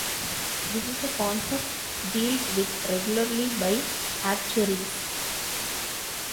This is a concept dealt with regularly by actuaries.